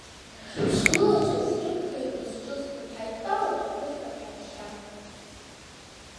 Сгәылацәа срыԥхьо, рызҿысҭып, ҳааидтәалан ҳгәырӷьап, ҳаччап.